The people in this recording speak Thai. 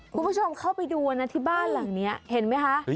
คุณผู้ชมเข้าไปดูนะที่บ้านหลังนี้เห็นไหมคะ